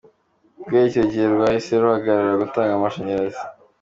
Guhera icyo gihe rwahise ruhagarara gutanga amashanyzrazi.